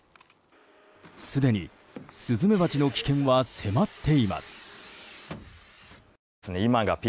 すでに、スズメバチの危険は迫っています。